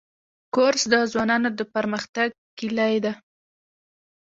کورس د ځوانانو د پرمختګ کلۍ ده.